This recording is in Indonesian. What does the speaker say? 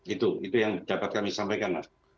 itu itu yang dapat kami sampaikan mas